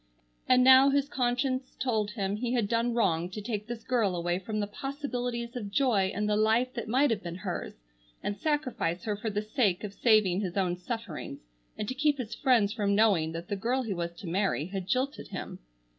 And now his conscience told him he had done wrong to take this girl away from the possibilities of joy in the life that might have been hers, and sacrifice her for the sake of saving his own sufferings, and to keep his friends from knowing that the girl he was to marry had jilted him.